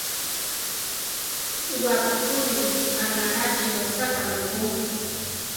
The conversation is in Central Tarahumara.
Wapíkuri aʼnaláchi rosákame jú.